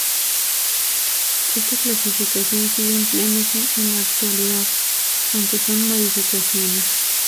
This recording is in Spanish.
Esta clasificación sigue empleándose en la actualidad, aunque con modificaciones.